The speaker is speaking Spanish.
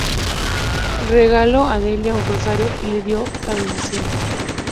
Regaló a Delia un rosario y le dio la bendición.